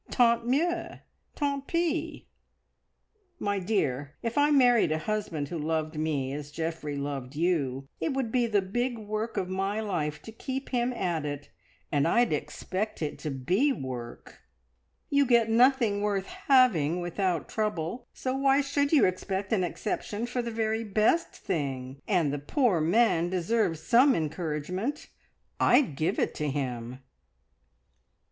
Tant mieux! Tant pis! My dear, if I married a husband who loved me as Geoffrey loved you, it would be the big work of my life to keep him at it, and I'd expect it to be work! You get nothing worth having without trouble, so why should you expect an exception for the very best thing? And the poor man deserves some encouragement. I'd give it to him!"